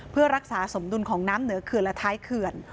เพื่อรักษาสมดุลของน้ำเหนือเขื่อนและท้ายเขื่อน